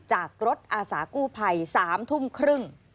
จากรถอาสากู้ภัย๓ทุ่มครึ่ง